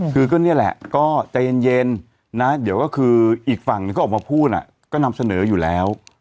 คือก็นี่แหละก็ใจเย็นนะเดี๋ยวก็คืออีกฝั่งหนึ่งก็ออกมาพูดก็นำเสนออยู่แล้ว